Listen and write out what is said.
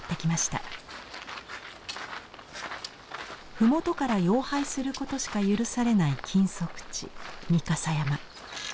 麓からよう拝することしか許されない禁足地御蓋山。